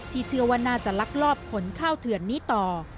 เชื่อว่าน่าจะลักลอบขนข้าวเถื่อนนี้ต่อ